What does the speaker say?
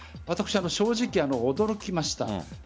私は正直驚きました。